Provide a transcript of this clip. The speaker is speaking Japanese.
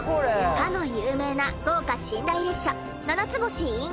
かの有名な豪華寝台列車ななつ星ｉｎ